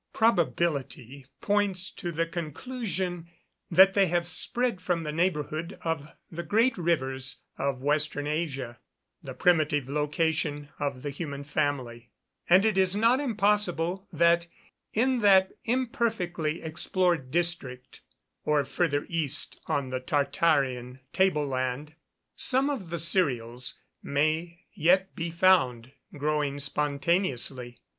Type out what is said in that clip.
Probability points to the conclusion that they have spread from the neighbourhood of the great rivers of Western Asia, the primitive location of the human family; and it is not impossible that in that imperfectly explored district, or further east on the Tartarian table land, some of the cereals may yet be found growing spontaneously.